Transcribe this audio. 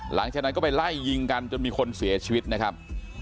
หลังจากนั้นก็ไปไล่ยิงกันจนมีคนเสียชีวิตนะครับ